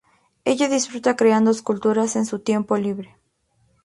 Ella disfruta creando esculturas en su tiempo libre.